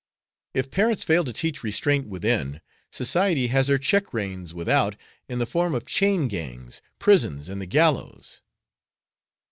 If parents fail to teach restraint within, society has her check reins without in the form of chain gangs, prisons, and the gallows."